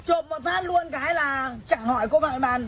chộp một phát luôn cái là chẳng hỏi cô vào cái bàn